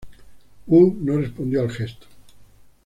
Wu no respondió al gesto.